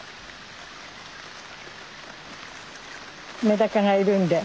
メダカがいるんで。